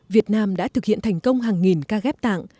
việt nam đã thực hiện thành công hàng nghìn ca ghép tạng